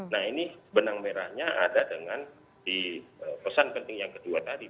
nah ini benang merahnya ada dengan di pesan penting yang kedua tadi